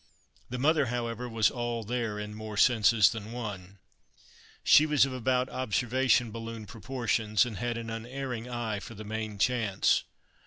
The mother, however, was "all there," in more senses than one. She was of about observation balloon proportions, and had an unerring eye for the main chance.